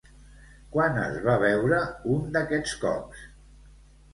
Quan es va veure un d'aquests cops?